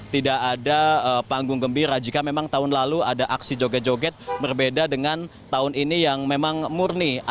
tidak ada panggung gembira jika memang tahun lalu ada aksi joget joget berbeda dengan tahun ini yang memang murni